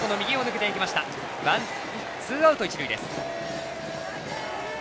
ツーアウト、一塁です。